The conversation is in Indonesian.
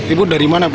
ibu dari mana bu